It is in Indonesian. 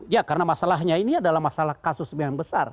ya karena masalahnya ini adalah masalah kasus yang besar